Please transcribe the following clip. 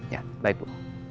ya baik bu